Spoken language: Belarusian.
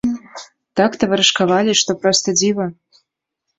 Так таварышкавалі, што проста дзіва.